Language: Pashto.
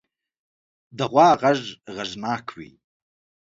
د غوا غږ غږناک وي.